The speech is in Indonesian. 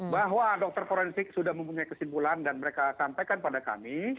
bahwa dokter forensik sudah mempunyai kesimpulan dan mereka sampaikan pada kami